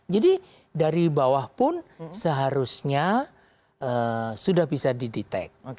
jadi dari bawah pun seharusnya sudah bisa didetek